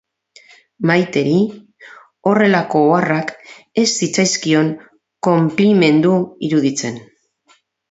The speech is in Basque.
Maiteri horrelako oharrak ez zitzaizkion konplimendu iruditzen.